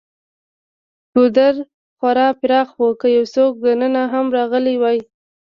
ګودر خورا پراخ و، که یو څوک دننه هم راغلی وای.